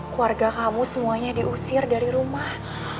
keluarga kamu semuanya diusir dari rumah